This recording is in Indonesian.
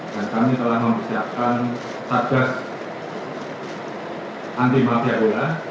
dan kami telah mempersiapkan sarjas anti matiabola